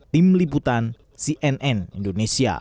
tim liputan cnn indonesia